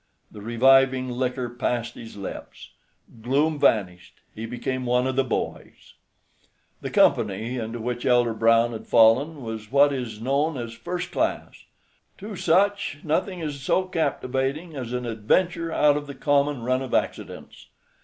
The reviving liquor passed his lips. Gloom vanished. He became one of the boys. The company into which Elder Brown had fallen was what is known as "first class." To such nothing is so captivating as an adventure out of the common run of accidents.